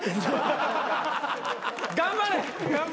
頑張れ！